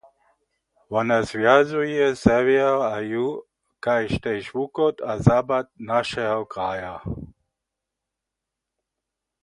Wona zwjazuje sewjer a juh kaž tež wuchod a zapad našeho kraja.